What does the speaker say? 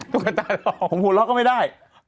ตัวตาหลอกหูล็อกก็ไม่ได้